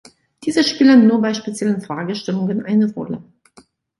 Diese spielen nur bei speziellen Fragestellungen eine Rolle.